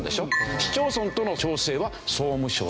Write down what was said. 市町村との調整は総務省ですよね。